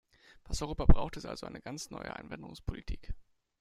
Was Europa braucht, ist also eine ganz neue Einwanderungspolitik.